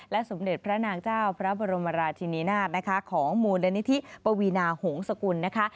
สมเด็จพระนางเจ้าพระบรมราชินีนาฏนะคะของมูลนิธิปวีนาหงษกุลนะคะ